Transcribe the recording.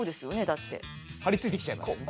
だって張り付いてきちゃいますよね